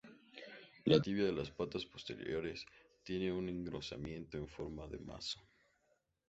La tibia de las patas posteriores tiene un engrosamiento en forma de mazo.